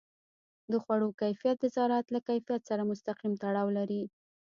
د خوړو کیفیت د زراعت له کیفیت سره مستقیم تړاو لري.